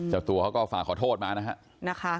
จับตัวเขาก็ขอโทษมานะครับ